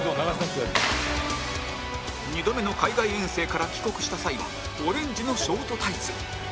２度目の海外遠征から帰国した際はオレンジのショートタイツ